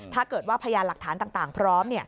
ถ้าเกิดว่าพยานหลักฐานต่างพร้อม